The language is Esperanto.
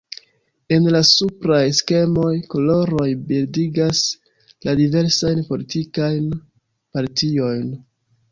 En la supraj skemoj, koloroj bildigas la diversajn politikajn partiojn.